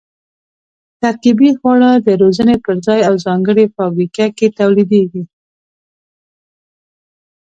ترکیبي خواړه د روزنې په ځای او ځانګړې فابریکه کې تولیدېږي.